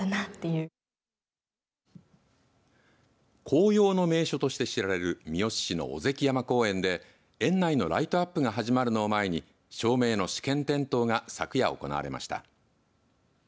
紅葉の名所として知られる三次市の尾関山公園で園内のライトアップが始まるのを前に照明の試験点灯が昨夜、行われました。